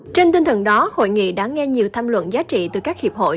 trên tinh thần đó hội nghị đã nghe nhiều tham luận giá trị từ các hiệp hội